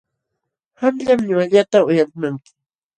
Qamllam ñuqallata uyalimanki.